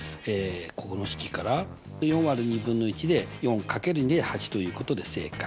この式から４÷２分の１で４×２で８ということで正解。